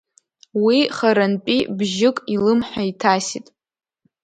Уи харантәи бжьык илымҳа иҭасит.